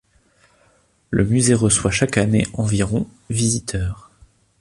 Le musée reçoit chaque année environ visiteurs.